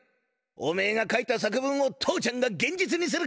おめえが書いた作文を父ちゃんがげんじつにする！